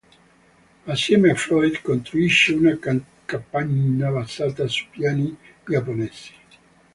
Assieme a Floyd, costruisce una capanna basata su piani giapponesi.